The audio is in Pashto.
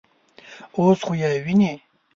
_اوس خو يې وينې.